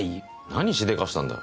何しでかしたんだ？